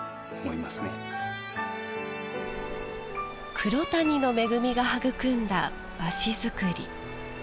黒谷の恵みが育んだ和紙作り。